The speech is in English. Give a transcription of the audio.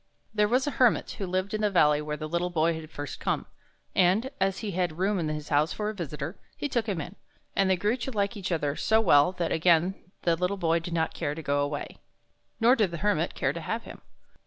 There was a Hermit who lived in the valley where the little Boy had first come, and, as he had a room in his house for a visitor, he took him in, and they grew to like each other so well that again the little Boy did not care to go away, nor did the Hermit care to have him.